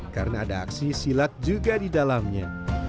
karena ada aksi silat juga di dalamnya